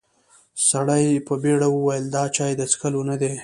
سړي په بيړه وويل: دا چای د څښلو نه دی.